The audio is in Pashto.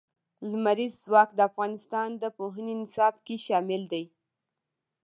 لمریز ځواک د افغانستان د پوهنې نصاب کې شامل دي.